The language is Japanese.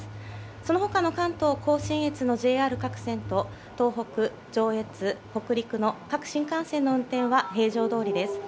そのほかの関東甲信越のＪＲ各線と、東北、上越、北陸の各新幹線の運転は、平常どおりです。